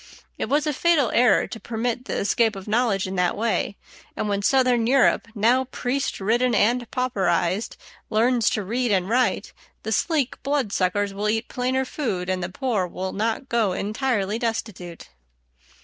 It was a fatal error to permit the escape of knowledge in that way; and when southern Europe, now priest ridden and pauperized, learns to read and write, the sleek blood suckers will eat plainer food and the poor will not go entirely destitute.